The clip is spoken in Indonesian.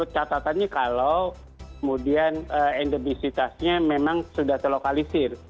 catatannya kalau kemudian endemisitasnya memang sudah terlokalisir